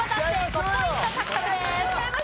５ポイント獲得です。